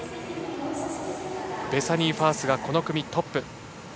ベサニー・ファースこの組トップ。